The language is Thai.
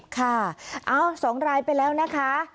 ค่ะเอ้า๒ลายไปแล้วนะคะ